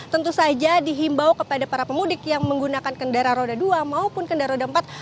tentu saja dihimbau kepada para pemudik yang menggunakan kendaraan roda dua maupun kendaraan roda empat